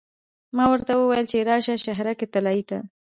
ما ورته وویل چې راشه شهرک طلایې ته.